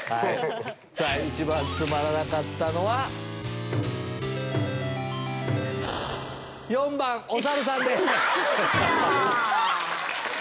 さぁ一番つまらなかったのは⁉４番おサルさんです。